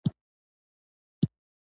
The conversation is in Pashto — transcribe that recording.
د ژوند مثبتې تجربې هڅه غواړي.